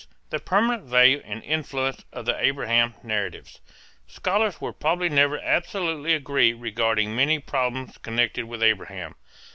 THE PERMANENT VALUE AND INFLUENCE OF THE ABRAHAM NARRATIVES. Scholars will probably never absolutely agree regarding many problems connected with Abraham.